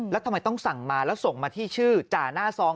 แล้วทำไมต้องสั่งมาแล้วส่งมาที่ชื่อจ่าหน้าซอง